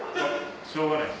しょうがないです。